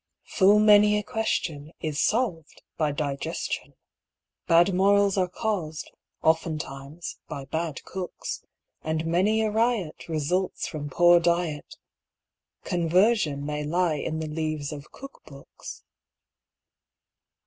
Full many a question is solved by digestion. Bad morals are caused, oftentimes by bad cooks, And many a riot results from poor diet Conversion may lie in the leaves of cook books.